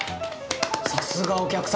さすがお客様！